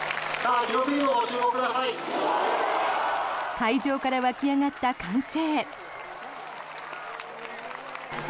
会場から湧き上がった歓声。